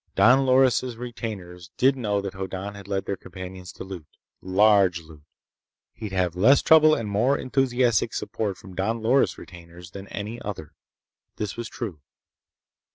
Don Loris' retainers did know that Hoddan had led their companions to loot. Large loot. He'd have less trouble and more enthusiastic support from Don Loris' retainers than any other. This was true.